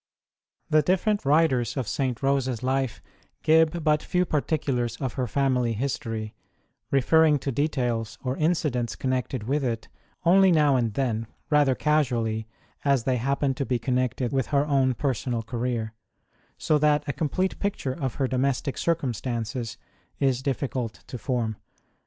The different writers of St. Rose s life give but few particulars of her family history, referring to details or incidents connected with it only now and then, rather casually, as they happen to be connected with her own personal career, so that a complete picture of her domestic circumstances is difficult to form.